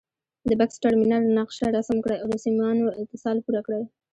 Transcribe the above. د بکس ټرمینل نقشه رسم کړئ او د سیمانو اتصال پوره کړئ.